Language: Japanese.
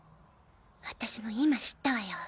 私も今知ったわよ。